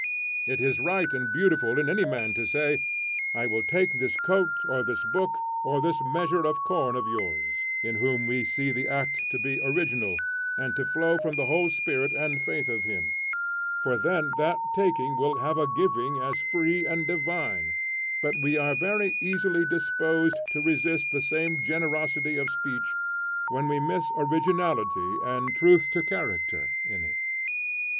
It is right and beautiful in any man to say, 'I will take this coat, or this book, or this measure of corn of yours,' in whom we see the act to be original, and to flow from the whole spirit and faith of him; for then that taking will have a giving as free and divine; but we are very easily disposed to resist the same generosity of speech when we miss originality and truth to character in it.